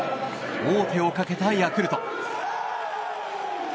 王手をかけたヤクルト。